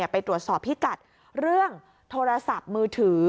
ไปตรวจสอบพิกัดเรื่องโทรศัพท์มือถือ